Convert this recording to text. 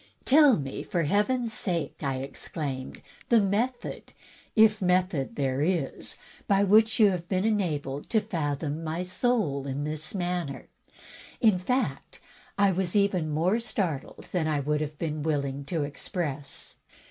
"Tell me, for Heaven's sake," I exclaimed, "the method — if method there is — ^by which you have been enabled to fathom my soul in this matter." In fact, I was even more startled than I would have been willing to express.